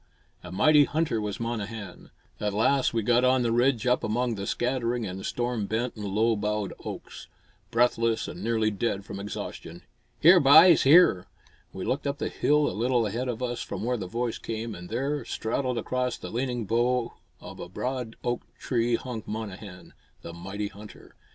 A mighty hunter was Monnehan. At last we got on the ridge up among the scattering and storm bent and low boughed oaks; breathless and nearly dead from exhaustion. "Here, byes, here!" We looked up the hill a little ahead of us from where the voice came, and there, straddled across the leaning bough of a broad oak tree hung Monnehan, the mighty hunter.